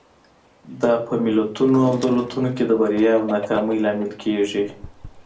دا په ملتونو او دولتونو کې د بریا او ناکامۍ لامل کېږي.